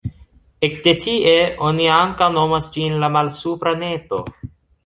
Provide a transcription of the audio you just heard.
Ekde tie oni ankaŭ nomas ĝin la Malsupra Neto.